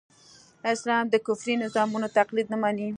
اسلام د کفري نظامونو تقليد نه مني.